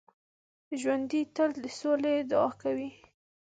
ژوندي تل د سولې دعا کوي